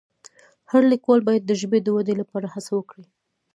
هر لیکوال باید د ژبې د ودې لپاره هڅه وکړي.